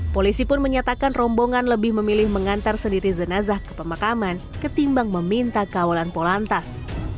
polisi pun menyatakan rombongan lebih memilih mengantar sendiri jenazah ke pemakaman ketimbang meminta kawalan polantas